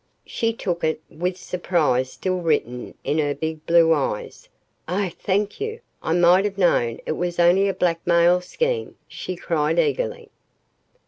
She took it, with surprise still written in her big blue eyes. "Oh thank you I might have known it was only a blackmail scheme," she cried eagerly.